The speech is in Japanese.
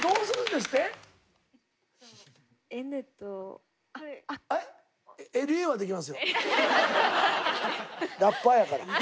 ラッパーやから。